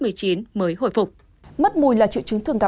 mới hồi phục mất mùi là triệu chứng